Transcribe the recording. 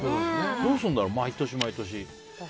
どうするんだろう、毎年毎年。